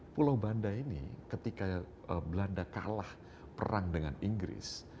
pulau banda ini ketika belanda kalah perang dengan inggris